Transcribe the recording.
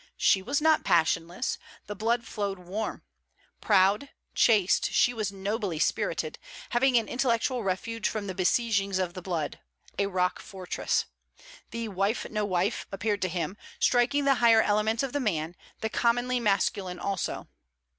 She was not passionless: the blood flowed warm. Proud, chaste, she was nobly spirited; having an intellectual refuge from the besiegings of the blood; a rockfortress. The 'wife no wife' appeared to him, striking the higher elements of the man, the commonly masculine also.